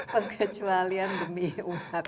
pengecualian demi uang